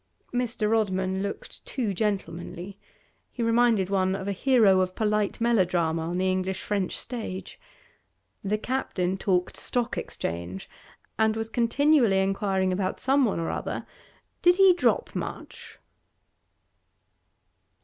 Mr. Rodman looked too gentlemanly; he reminded one of a hero of polite melodrama on the English French stage. The Captain talked stock exchange, and was continually inquiring about some one or other, 'Did he drop much?